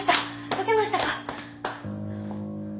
解けましたか？